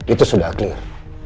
itu sudah clear